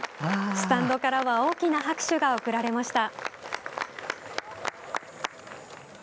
スタンドからは大きな拍手が送られました。